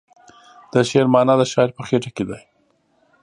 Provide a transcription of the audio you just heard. د شعر معنی د شاعر په خیټه کې ده .